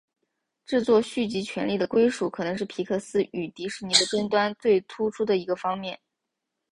制作续集权利的归属可能是皮克斯与迪士尼的争端最突出的一个方面。